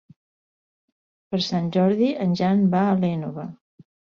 Per Sant Jordi en Jan va a l'Énova.